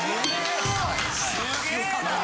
すげえな！